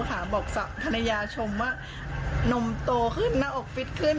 แบบศัพท์ภรรยาชมว่านมโตขึ้นนะออกฟิตขึ้น